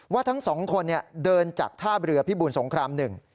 ทั้งสองคนเดินจากท่าเรือพิบูรสงครามหนึ่ง